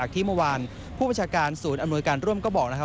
ที่เมื่อวานผู้บัญชาการศูนย์อำนวยการร่วมก็บอกนะครับ